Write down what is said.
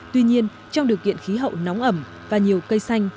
tuy nhiên trong điều kiện khí hậu nóng ẩm và nhiều cây xanh